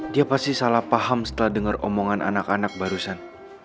dia pasti salah paham setelah dengar omongan anak anak barusan